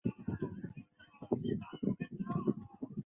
他积极参与封建混战。